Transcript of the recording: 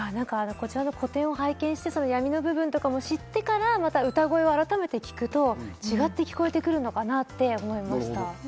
個展を拝見して闇の部分を知ってから、歌声を改めて聴くと、違って聴こえてくるのかなって思いました。